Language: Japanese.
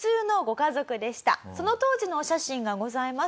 その当時のお写真がございます。